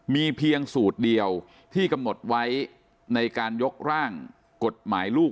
มีเพียงสูตรเดียวที่กำหนดไว้ในการยกร่างกฎหมายลูก